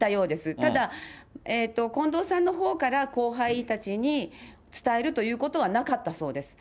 ただ、近藤さんのほうから後輩たちに伝えるということはなかったそうです。